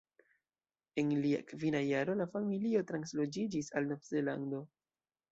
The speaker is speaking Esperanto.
En lia kvina jaro la familio transloĝiĝis al Nov-Zelando.